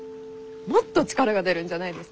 もっと力が出るんじゃないですか？